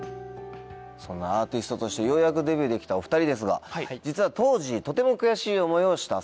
そんなアーティストとしてようやくデビューできたお２人ですが実は当時とても悔しい思いをしたそうです。